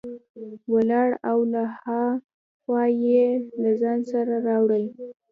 ولاړ او له ها خوا یې له ځان سره راوړل.